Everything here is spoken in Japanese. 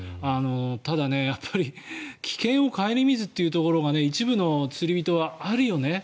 ただ危険を顧みずというところが一部の釣り人はあるよね。